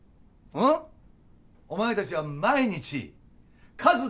んっ？お前たちは毎日数